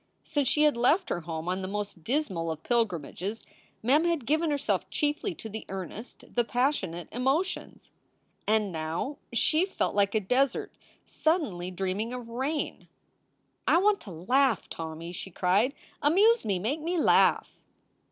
Since she had left her home on the most dismal of pil grimages, Mem had given herself chiefly to the earnest, the passionate emotions. And now she felt like a desert suddenly dreaming of rain. "I want to laugh, Tommy," she cried. "Amuse me, make me laugh!"